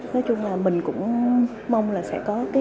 nói chung là mình cũng mong là sẽ có cái